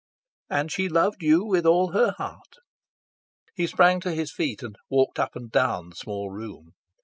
"And she loved you with all her heart." He sprang to his feet and walked up and down the small room.